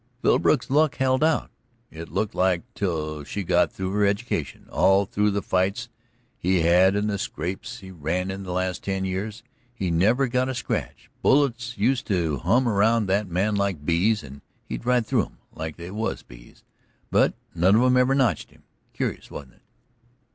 "Philbrook's luck held out, it looked like, till she got through her education. All through the fights he had and the scrapes he run into the last ten years he never got a scratch. Bullets used to hum around that man like bees, and he'd ride through 'em like they was bees, but none of 'em ever notched him. Curious, wasn't it?"